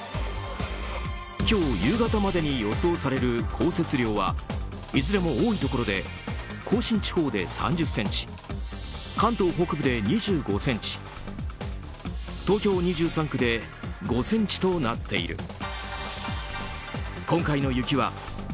今日夕方までに予想される降雪量はいずれも多いところで甲信地方で３０ｃｍ関東北部で２５ｃｍ東京２３区で５ｃｍとなっている。